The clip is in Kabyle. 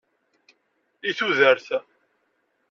I tudert!